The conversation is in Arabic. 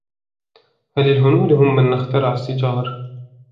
هل الهنود هم من اخترع السيجار ؟